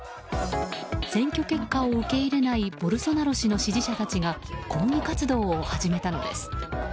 選挙結果を受け入れないボルソナロ氏の支持者たちが抗議活動を始めたのです。